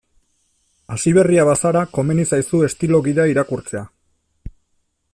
Hasiberria bazara, komeni zaizu estilo gida irakurtzea.